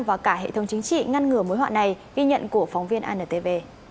và cả hệ thống chính trị ngăn ngừa mối họa này ghi nhận của phóng viên antv